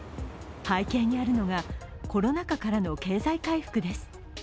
背景にあるのがコロナ禍からの経済回復です。